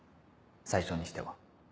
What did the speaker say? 最初にしては。